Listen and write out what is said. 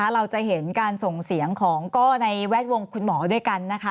เราจะเห็นการส่งเสียงของก็ในแวดวงคุณหมอด้วยกันนะคะ